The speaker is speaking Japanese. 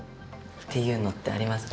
っていうのってありますか？